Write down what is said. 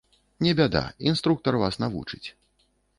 Не бяда, інструктар вас навучыць.